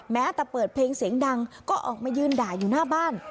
แม้แต่เปิดเพลงเสียงดังก็ออกมายืนด่าอยู่หน้าบ้าน